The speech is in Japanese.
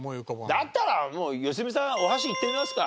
だったらもう良純さんお箸いってみますか。